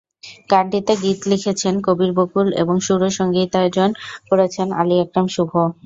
গানটির গীত লিখেছেন কবির বকুল এবং সুর ও সংগীতায়োজন করেছেন আলী আকরাম শুভ।